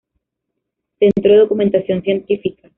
Centro de Documentación Científica.